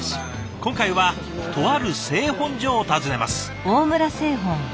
今回はとある製本所を訪ねます。